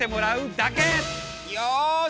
よし！